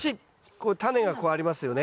こうタネがこうありますよね。